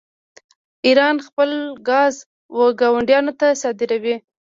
ایران خپل ګاز ګاونډیانو ته صادروي.